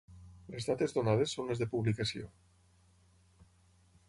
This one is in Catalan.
Les dates donades són les de publicació.